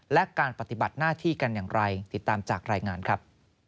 และการปฏิบัติหน้าที่กันอย่างไรติดตามจากรายงานครับ